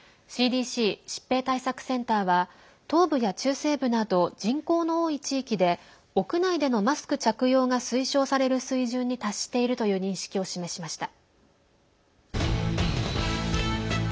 ＣＤＣ＝疾病対策センターは東部や中西部など人口の多い地域で屋内でのマスク着用が推奨される水準に達しているという認識を示しました。